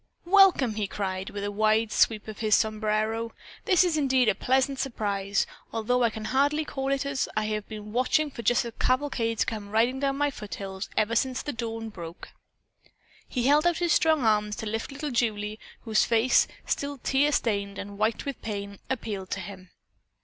"Welcome!" he cried, with a wide sweep of his sombrero. "This is indeed a pleasant surprise, although I can hardly call it that as I have been watching for just such a cavalcade to come riding down my foothills ever since the dawn broke." He held out his strong arms to lift little Julie, whose face, still tear stained and white with pain, appealed to him.